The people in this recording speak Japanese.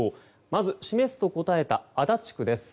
まず、示すと答えた足立区です。